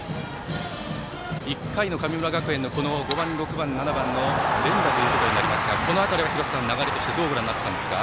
１回の神村学園の５番、６番、７番の連打ということになりますがこの辺りは廣瀬さんは流れとしてどうご覧になっていましたか。